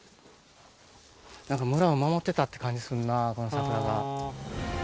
なんか村を守ってたって感じするな、この桜が。